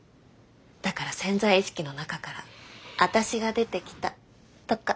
だから潜在意識の中からあたしが出てきたとか。